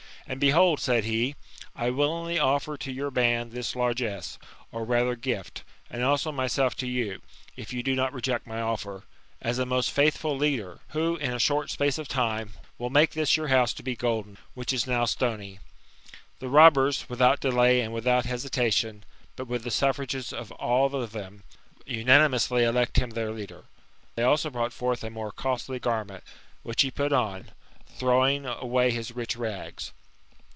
And behold, said he, I willingly offer to your band this firgess, or rather gift, and also myself to you, (if you do not no THB MSTAMOKFHOSIS, OR idect my offer), as a most faithful leader ; who, in a short space of time, will make this your house to be golden, which is now stony." The robbers, without delay, and without hesitation, but with the suffrages of all of them, unanimously elect him their l«uler. They also brought forth a more costly garment, which he put on, throwing away his rich rags.